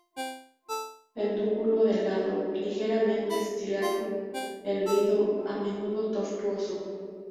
Pedúnculo delgado, ligeramente estriado, erguido, a menudo tortuoso.